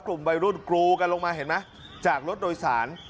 กลุ่มวัยรุ่นกรูกันลงมาเห็นไหมจากรถโดยสาร